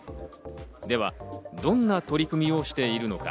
では、どんな取り組みをしているのか。